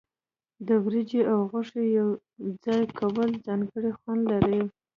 د وریجې او غوښې یوځای کول ځانګړی خوند لري.